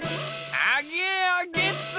アゲアゲッツ！